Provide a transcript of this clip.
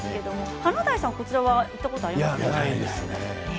華大さんは行ったことありますか。